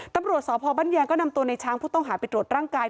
ตำรวจสพบ้านแยงก็นำตัวในช้างผู้ต้องหาไปตรวจร่างกาย